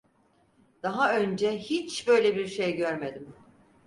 Daha önce hiç böyle bir şey görmedim.